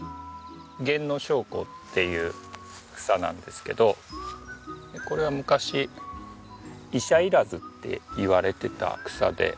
ゲンノショウコっていう草なんですけどこれは昔「医者いらず」っていわれてた草で。